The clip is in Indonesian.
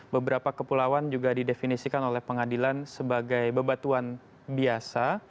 beberapa kepulauan juga didefinisikan oleh pengadilan sebagai bebatuan biasa